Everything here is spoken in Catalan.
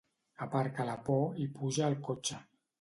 Aparca la por i puja al cotxe.